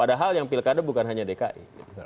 padahal yang pilkada bukan hanya dki